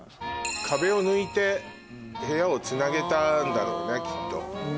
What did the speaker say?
壁を抜いて部屋をつなげたんだろうねきっと。